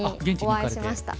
お会いしました。